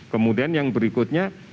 kemudian yang berikutnya